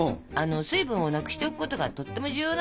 水分をなくしておくことがとっても重要なの。